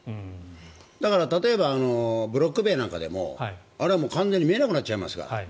だから、例えばブロック塀なんかでもあれは完全に見えなくなっちゃいますから。